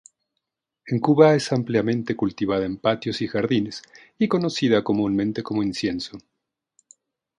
En Cuba es ampliamente cultivada en patios y jardines y conocida comúnmente como incienso.